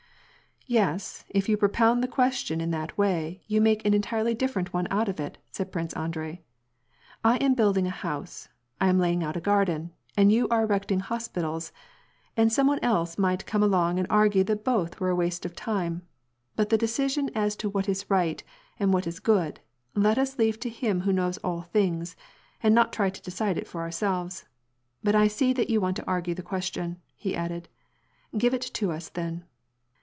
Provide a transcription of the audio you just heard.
" Yes, if you propound the question in that way, yon make an entirely different one out of it," said Prince Andrei. " I am building a house, I am laying out a garden, and you are erecting hospitals ; and some one else might come along and argue that both were a waste of time. But the decision as to what is right and what is good, let us leave to Him who knows all things, and not try to decide it for ourselves. But I see that you want to argue the question." He added, " Give it to us then."